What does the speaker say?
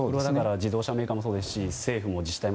自動車メーカーもそうですし政府や自治体